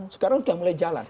sekarang sudah mulai jalan